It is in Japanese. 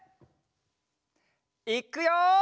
いっくよ！